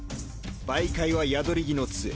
媒介はヤドリギの杖。